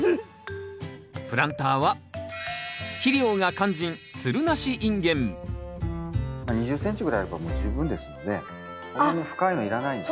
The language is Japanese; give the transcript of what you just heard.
プランターは２０ｃｍぐらいあればもう十分ですのでそんなに深いのいらないんです。